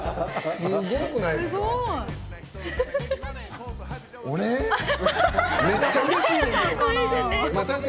すごくないですか？